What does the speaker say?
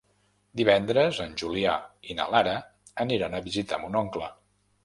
Divendres en Julià i na Lara aniran a visitar mon oncle.